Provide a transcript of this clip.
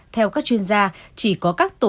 theo các chuyên gia chỉ có các tổ chức